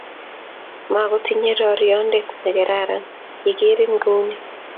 mokotinyei rorionde nekararan yegeerin kou ni